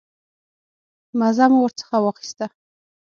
مزه مو ورڅخه واخیسته.